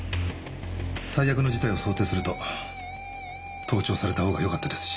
最悪の事態を想定すると盗聴されたほうがよかったですし。